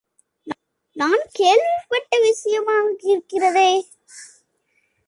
நான் கேள்விப்பட்ட விஷயமிருக்கிறதே.